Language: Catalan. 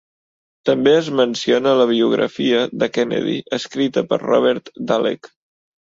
També es menciona a la biografia de Kennedy escrita per Robert Dallek.